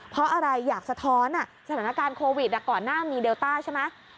เพราะอะไรอยากสะท้อนสถานการณ์โควิดก่อนหน้ามีเดลต้าใช่ไหม